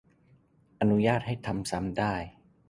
อนุญาตให้ทำซ้ำได้